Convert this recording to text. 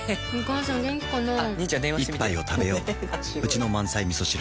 一杯をたべよううちの満菜みそ汁